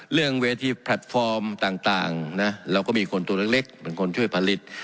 เรื่องเวทีแพลตฟอร์มต่างนะเราก็มีคนตัวเล็กเป็นคนช่วยผลิต